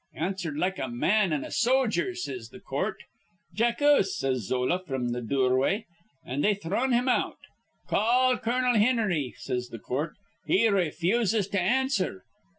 'Answered like a man an' a sojer,' says th' coort. 'Jackuse,' says Zola fr'm th' dureway. An' they thrun him out. 'Call Col. Hinnery,' says th' coort. 'He ray fuses to answer.'